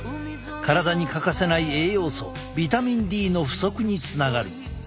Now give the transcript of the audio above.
体に欠かせない栄養素ビタミンＤの不足につながる。